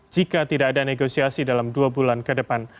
jika tidak ada negosiasi dalam dua bulan ke depan